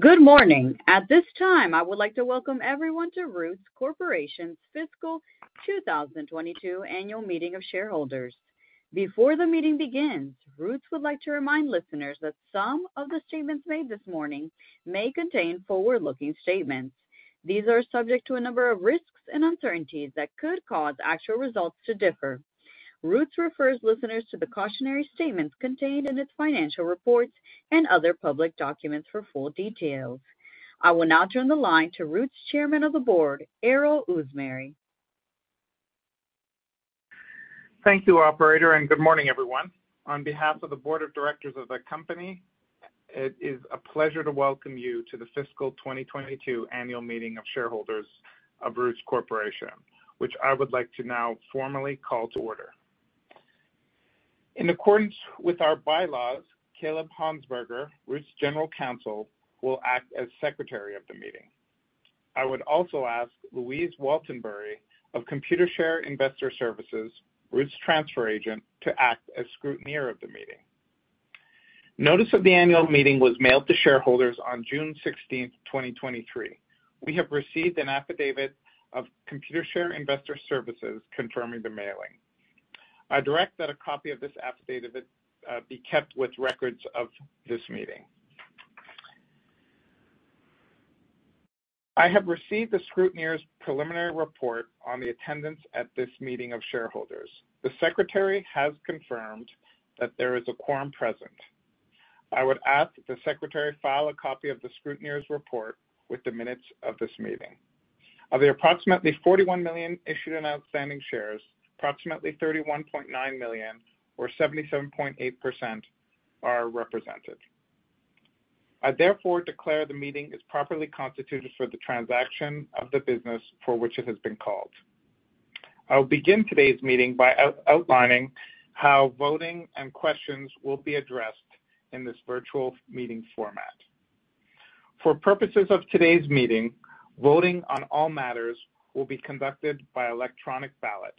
Good morning. At this time, I would like to welcome everyone to Roots Corporation's Fiscal 2022 Annual Meeting of Shareholders. Before the meeting begins, Roots would like to remind listeners that some of the statements made this morning may contain forward-looking statements. These are subject to a number of risks and uncertainties that could cause actual results to differ. Roots refers listeners to the cautionary statements contained in its financial reports and other public documents for full details. I will now turn the line to Roots Chairman of the Board, Erol E. Uzumeri. Thank you, operator. Good morning, everyone. On behalf of the Board of Directors of the company, it is a pleasure to welcome you to the Fiscal 2022 Annual Meeting of Shareholders of Roots Corporation, which I would like to now formally call to order. In accordance with our bylaws, Kaleb Honsberger, Roots General Counsel, will act as Secretary of the meeting. I would also ask Louise Waltenbury of Computershare Investor Services, Roots transfer agent, to act as scrutineer of the meeting. Notice of the annual meeting was mailed to shareholders on June 16th, 2023. We have received an affidavit of Computershare Investor Services confirming the mailing. I direct that a copy of this affidavit be kept with records of this meeting. I have received the scrutineer's preliminary report on the attendance at this meeting of shareholders. The Secretary has confirmed that there is a quorum present. I would ask the Secretary file a copy of the scrutineer's report with the minutes of this meeting. Of the approximately 41 million issued and outstanding shares, approximately 31.9 million or 77.8% are represented. I therefore declare the meeting is properly constituted for the transaction of the business for which it has been called. I will begin today's meeting by outlining how voting and questions will be addressed in this virtual meeting format. For purposes of today's meeting, voting on all matters will be conducted by electronic ballot.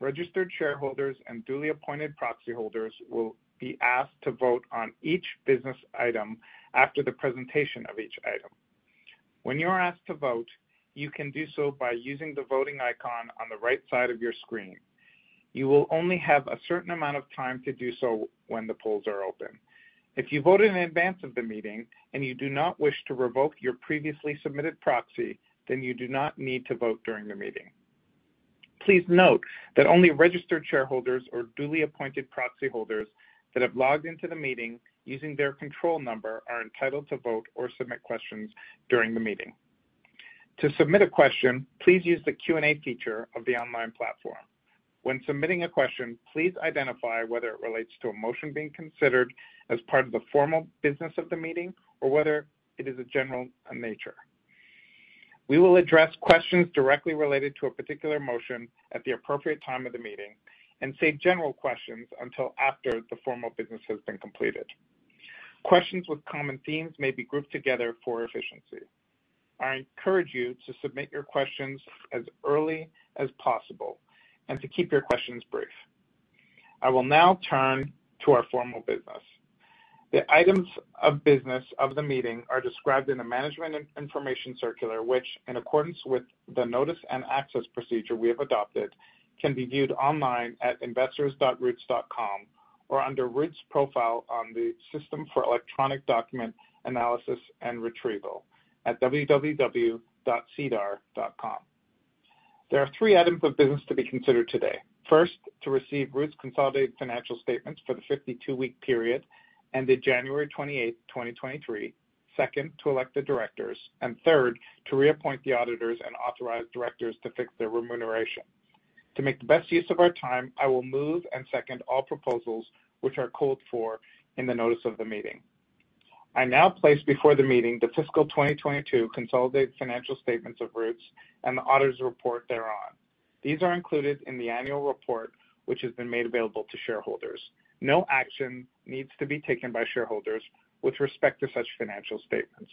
Registered shareholders and duly appointed proxy holders will be asked to vote on each business item after the presentation of each item. When you are asked to vote, you can do so by using the voting icon on the right side of your screen. You will only have a certain amount of time to do so when the polls are open. If you voted in advance of the meeting, and you do not wish to revoke your previously submitted proxy, then you do not need to vote during the meeting. Please note that only registered shareholders or duly appointed proxy holders that have logged into the meeting using their control number are entitled to vote or submit questions during the meeting. To submit a question, please use the Q&A feature of the online platform. When submitting a question, please identify whether it relates to a motion being considered as part of the formal business of the meeting or whether it is a general nature. We will address questions directly related to a particular motion at the appropriate time of the meeting and save general questions until after the formal business has been completed. Questions with common themes may be grouped together for efficiency. I encourage you to submit your questions as early as possible and to keep your questions brief. I will now turn to our formal business. The items of business of the meeting are described in a management in-information circular which in accordance with the notice and access procedure we have adopted can be viewed online at investors.roots.com or under Roots profile on the System for Electronic Document Analysis and Retrieval at www.sedar.com. There are three items of business to be considered today. First, to receive Roots' consolidated financial statements for the 52 week period ended January 28th, 2023. Second, to elect the directors. Third, to reappoint the auditors and authorize directors to fix their remuneration. To make the best use of our time, I will move and second all proposals which are called for in the notice of the meeting. I now place before the meeting the fiscal 2022 consolidated financial statements of Roots and the auditor's report thereon. These are included in the annual report which has been made available to shareholders. No action needs to be taken by shareholders with respect to such financial statements.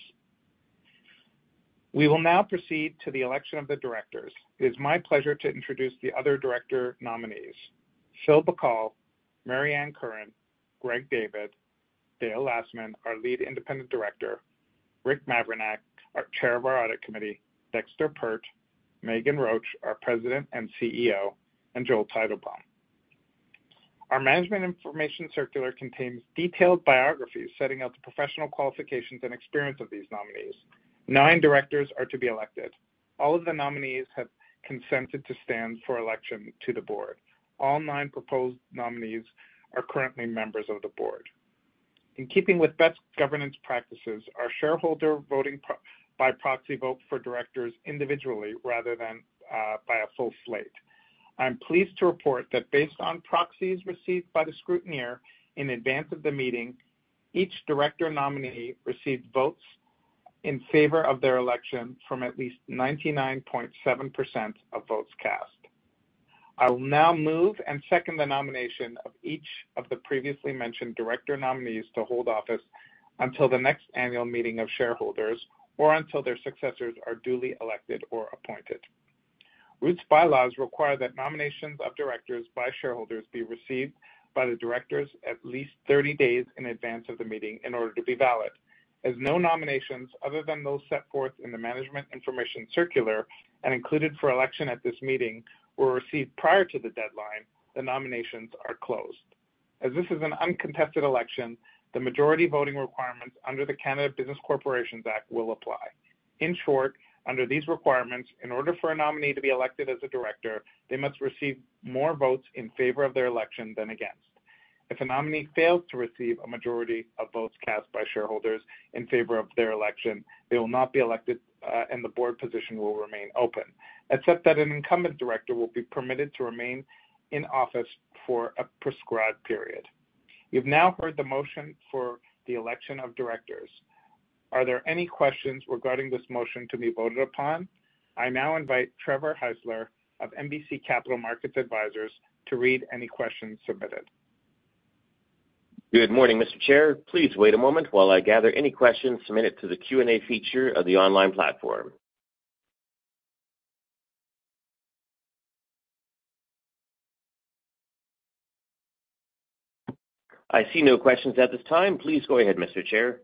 We will now proceed to the election of the Directors. It is my pleasure to introduce the other director nominees. Phil Bacal, Mary Ann Curran, Greg David, Dale Lastman, our Lead Independent Director, Rick Mavrinac, our Chair of our Audit Committee, Dexter Peart, Meghan Roach, our President and CEO, and Joel Teitelbaum. Our management information circular contains detailed biographies setting out the professional qualifications and experience of these nominees. Nine Directors are to be elected. All of the nominees have consented to stand for election to the Board. All nine proposed nominees are currently Members of the Board. In keeping with best governance practices, our shareholder voting by proxy vote for directors individually rather than by a full slate. I'm pleased to report that based on proxies received by the scrutineer in advance of the meeting, each Director nominee received votes in favor of their election from at least 99.7% of votes cast. I will now move and second the nomination of each of the previously mentioned Director nominees to hold office until the next annual meeting of shareholders or until their successors are duly elected or appointed. Roots bylaws require that nominations of directors by shareholders be received by the Directors at least 30 days in advance of the meeting in order to be valid. As no nominations other than those set forth in the management information circular and included for election at this meeting were received prior to the deadline, the nominations are closed. As this is an uncontested election, the majority voting requirements under the Canada Business Corporations Act will apply. In short, under these requirements, in order for a nominee to be elected as a director, they must receive more votes in favor of their election than against. If a nominee fails to receive a majority of votes cast by shareholders in favor of their election, they will not be elected, and the board position will remain open, except that an incumbent director will be permitted to remain in office for a prescribed period. You've now heard the motion for the election of directors. Are there any questions regarding this motion to be voted upon? I now invite Trevor Heisler of RBC Capital Markets Advisors to read any questions submitted. Good morning, Mr. Chair. Please wait a moment while I gather any questions submitted to the Q&A feature of the online platform. I see no questions at this time. Please go ahead, Mr. Chair.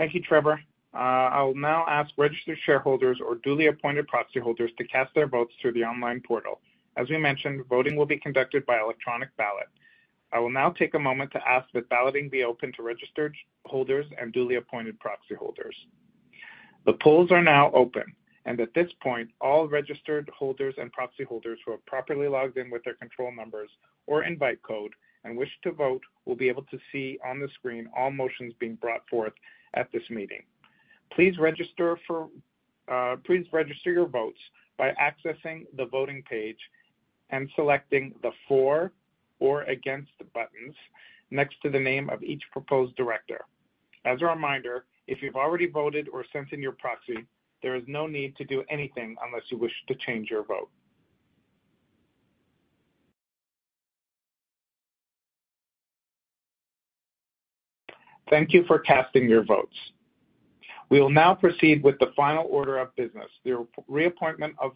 Thank you, Trevor. I will now ask registered shareholders or duly appointed proxy holders to cast their votes through the online portal. As we mentioned, voting will be conducted by electronic ballot. I will now take a moment to ask that balloting be open to registered holders and duly appointed proxy holders. The polls are now open, and at this point, all registered holders and proxy holders who have properly logged in with their control numbers or invite code and wish to vote will be able to see on the screen all motions being brought forth at this meeting. Please register your votes by accessing the voting page and selecting the for or against buttons next to the name of each proposed director. As a reminder, if you've already voted or sent in your proxy, there is no need to do anything unless you wish to change your vote. Thank you for casting your votes. We will now proceed with the final order of business, the reappointment of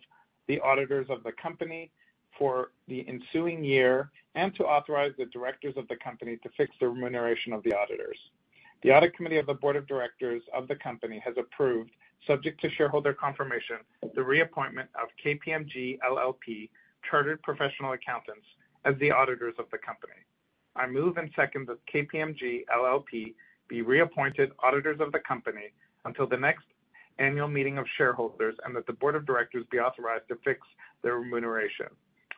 the auditors of the company for the ensuing year, and to authorize the directors of the company to fix the remuneration of the auditors. The audit committee of the Board of Directors of the company has approved, subject to shareholder confirmation, the reappointment of KPMG LLP, Chartered Professional Accountants as the auditors of the company. I move and second that KPMG LLP be reappointed auditors of the company until the next annual meeting of shareholders, and that the Board of Directors be authorized to fix their remuneration.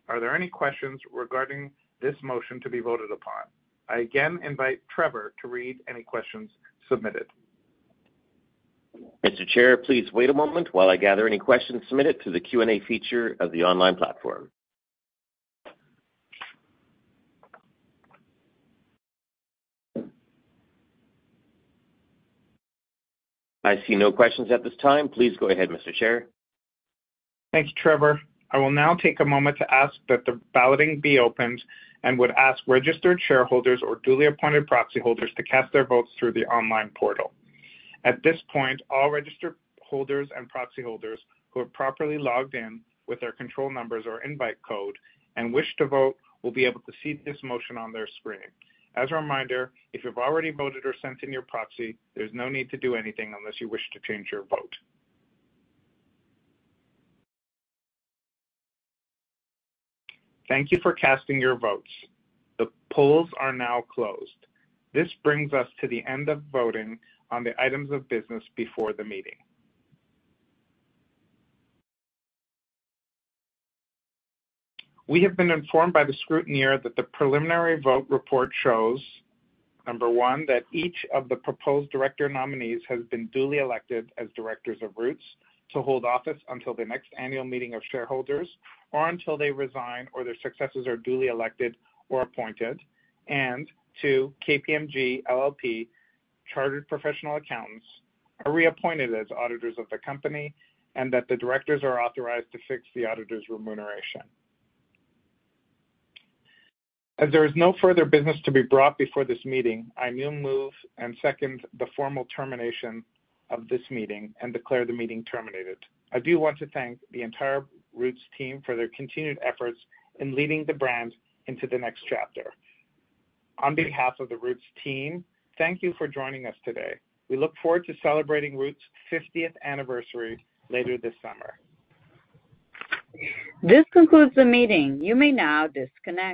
Are there any questions regarding this motion to be voted upon? I again invite Trevor to read any questions submitted. Mr. Chair, please wait a moment while I gather any questions submitted to the Q&A feature of the online platform. I see no questions at this time. Please go ahead, Mr. Chair. Thanks, Trevor. I will now take a moment to ask that the balloting be opened, and would ask registered shareholders or duly appointed proxy holders to cast their votes through the online portal. At this point, all registered holders and proxy holders who have properly logged in with their control numbers or invite code and wish to vote will be able to see this motion on their screen. As a reminder, if you've already voted or sent in your proxy, there's no need to do anything unless you wish to change your vote. Thank you for casting your votes. The polls are now closed. This brings us to the end of voting on the items of business before the meeting. We have been informed by the scrutineer that the preliminary vote report shows, number one, that each of the proposed director nominees has been duly elected as directors of Roots to hold office until the next annual meeting of shareholders or until they resign or their successors are duly elected or appointed. Two, KPMG LLP, Chartered Professional Accountants are reappointed as auditors of the company and that the directors are authorized to fix the auditors' remuneration. As there is no further business to be brought before this meeting, I move and second the formal termination of this meeting and declare the meeting terminated. I do want to thank the entire Roots team for their continued efforts in leading the brand into the next chapter. On behalf of the Roots team, thank you for joining us today. We look forward to celebrating Roots' 50th anniversary later this summer. This concludes the meeting. You may now disconnect.